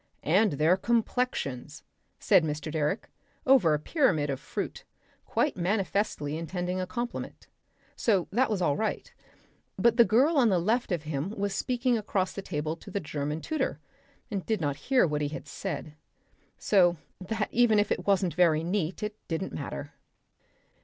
"And their complexions," said Mr. Direck, over the pyramid of fruit, quite manifestly intending a compliment. So that was all right.... But the girl on the left of him was speaking across the table to the German tutor, and did not hear what he had said. So that even if it wasn't very neat it didn't matter....